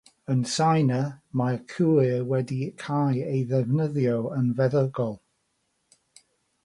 Yn Tsieina, mae'r cwyr wedi cae ei ddefnyddio yn feddygol.